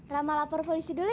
rama lapor polisi dulu